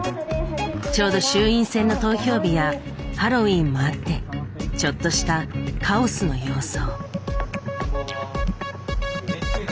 ちょうど衆院選の投票日やハロウィーンもあってちょっとしたカオスの様相。